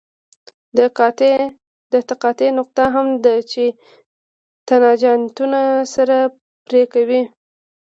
د تقاطع نقطه هغه ده چې تانجانتونه سره پرې کوي